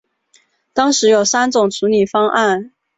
当时有三种处理方案。